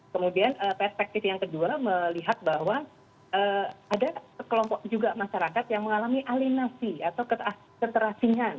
kemudian perspektif yang kedua melihat bahwa ada kelompok juga masyarakat yang mengalami alinasi atau keterasingan